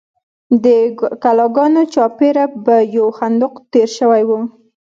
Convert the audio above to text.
د کلاګانو چارپیره به یو خندق تیر شوی و.